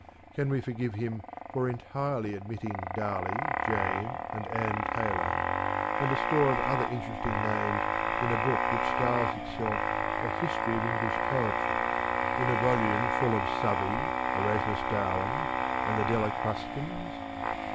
Can we forgive him for entirely omitting Darley, Jane and Ann Taylor, and a score of other interesting names in a book which styles itself a History of English Poetry, in a volume full of Southey, Erasmus Darwin, and the Delia Crus cans?